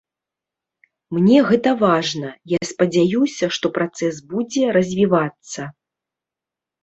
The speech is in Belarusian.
Мне гэта важна, я спадзяюся, што працэс будзе развівацца.